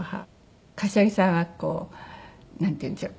柏木さんはなんていうんでしょう？